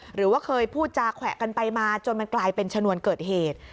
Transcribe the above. หรือว่าเคยพูดจาแขวะกันไปมาจนมันกลายเป็นชนวนเกิดเหตุ